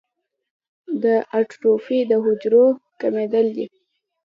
د اټروفي د حجرو کمېدل دي.